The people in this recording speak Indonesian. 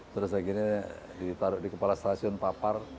terus akhirnya ditaruh di kepala stasiun papar